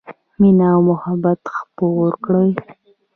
مینه او محبت خپور کړئ